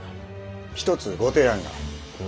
一つご提案が。